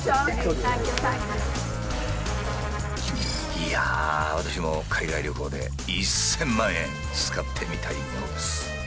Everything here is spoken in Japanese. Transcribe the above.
いやあ私も海外旅行で１，０００万円使ってみたいものです。